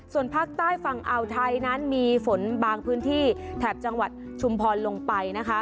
ส่วนภาคใต้ฝั่งอ่าวไทยนั้นมีฝนบางพื้นที่แถบจังหวัดชุมพรลงไปนะคะ